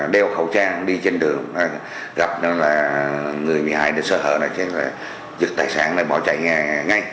đeo khẩu trang đi trên đường gặp người bị hại sơ hở giật tài sản bỏ chạy ngay